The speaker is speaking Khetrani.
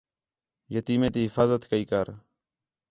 یتیمیں تی حفاظت کَئی کر